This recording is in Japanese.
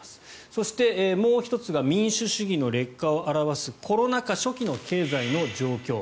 そして、もう１つが民主主義の劣化を表すコロナ禍初期の経済の状況。